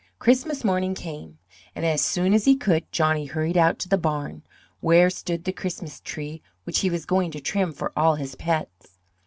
Christmas morning came, and, as soon as he could, Johnny hurried out to the barn, where stood the Christmas tree which he was going to trim for all his pets.